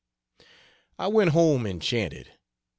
I went home enchanted.